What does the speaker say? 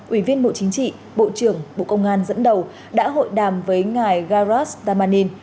ủy viên bộ chính trị bộ trưởng bộ công an dẫn đầu đã hội đàm với ngài gareth damanin